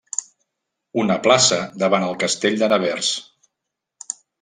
Una plaça davant el castell de Nevers.